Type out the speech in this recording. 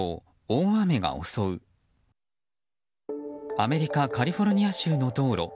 アメリカカリフォルニア州の道路。